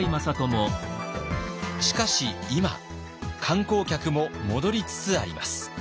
しかし今観光客も戻りつつあります。